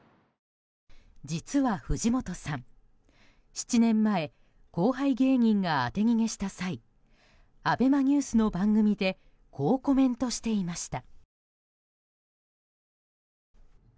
実は藤本さん、７年前後輩芸人が当て逃げした際ＡＢＥＭＡＮＥＷＳの番組でこうコメントしていました。